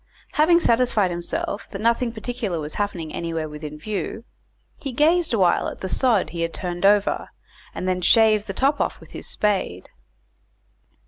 Having satisfied himself that nothing particular was happening anywhere within view, he gazed awhile at the sod he had turned over, and then shaved the top off with his spade.